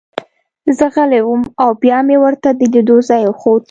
زه غلی وم او بیا مې ورته د لیدو ځای وښود